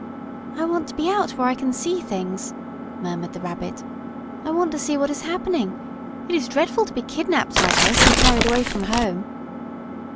"I want to be out where I can see things," murmured the Rabbit. "I want to see what is happening. It is dreadful to be kidnapped like this and carried away from home!"